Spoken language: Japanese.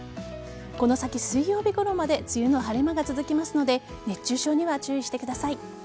この先、水曜日ごろまで梅雨の晴れ間が続きますので熱中症には注意してください。